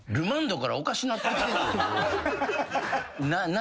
何？